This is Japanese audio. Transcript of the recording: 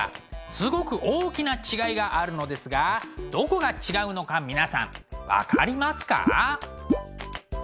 すごく大きな違いがあるのですがどこが違うのか皆さん分かりますか？